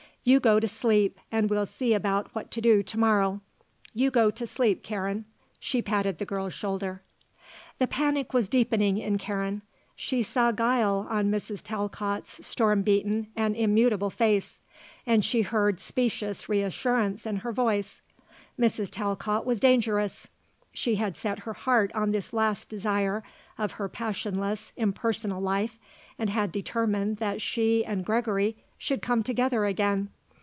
You go to sleep and we'll see about what to do to morrow. You go right to sleep, Karen," she patted the girl's shoulder. The panic was deepening in Karen. She saw guile on Mrs. Talcott's storm beaten and immutable face; and she heard specious reassurance in her voice. Mrs. Talcott was dangerous. She had set her heart on this last desire of her passionless, impersonal life and had determined that she and Gregory should come together again.